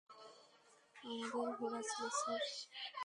আমাদের ঘোড়া ছিল, স্যার।